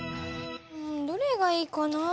うんどれがいいかな？